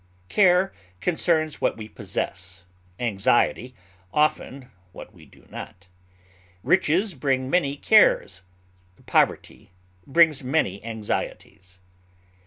Care concerns what we possess; anxiety, often, what we do not; riches bring many cares; poverty brings many anxieties.